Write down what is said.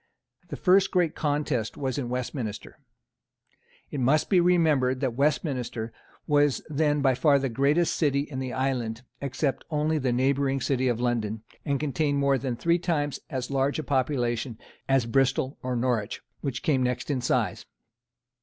The first great contest was in Westminster. It must be remembered that Westminster was then by far the greatest city in the island, except only the neighbouring city of London, and contained more than three times as large a population as Bristol or Norwich, which came next in size.